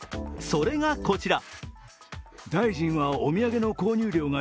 それがこちら。